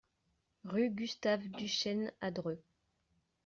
Rue Gustave Duchesne à Dreux